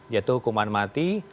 yaitu hukuman mati